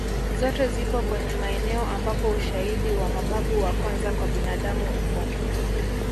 Zote zipo kwenye maeneo ambapo ushaidi wa mababu wa kwanza kwa binadamu upo